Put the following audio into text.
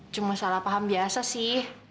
cuma salah paham biasa sih